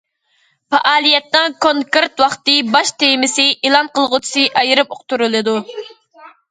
پائالىيەتنىڭ كونكرېت ۋاقتى، باش تېمىسى، ئېلان قىلغۇچىسى ئايرىم ئۇقتۇرۇلىدۇ.